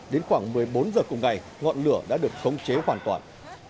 đến khoảng một mươi bốn h cùng ngày ngọn lửa đã được khống chế hoàn toàn